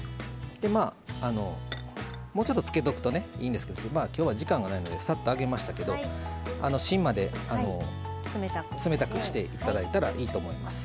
もうちょっとつけておくといいんですけどきょうは時間がないのでさっとあげましたけど芯まで冷たくしていただいたらいいと思います。